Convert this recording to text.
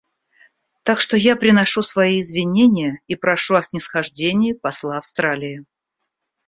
Так что я приношу свои извинения и прошу о снисхождении посла Австралии.